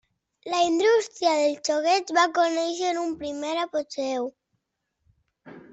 La indústria dels joguets va conèixer un primer apogeu.